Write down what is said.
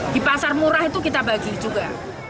di pasar murah itu kita bagi juga